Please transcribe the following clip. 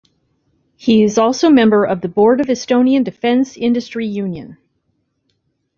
He is also member of the Board of Estonian Defense Industry Union.